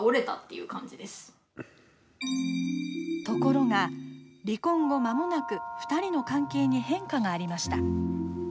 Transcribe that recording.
ところが、離婚後まもなく２人の関係に変化がありました。